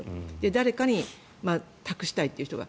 誰かに託したいという人が。